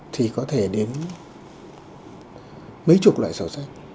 thì có thể đến mấy chục loại sổ sách